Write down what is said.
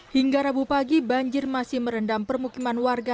hingga rabu pagi banjir masih merendam permukiman warga